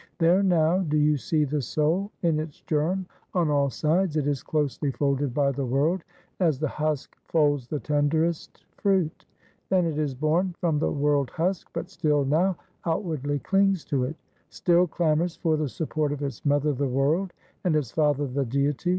There now, do you see the soul. In its germ on all sides it is closely folded by the world, as the husk folds the tenderest fruit; then it is born from the world husk, but still now outwardly clings to it; still clamors for the support of its mother the world, and its father the Deity.